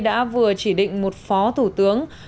đã vừa chỉ định một phó thủ tướng